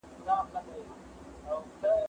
شګه د کتابتوننۍ له خوا پاکيږي